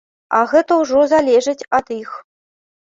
А гэта ўжо залежыць ад іх.